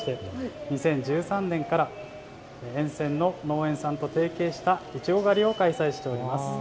２０１３年から沿線の農園さんと提携したいちご狩りを開催しております。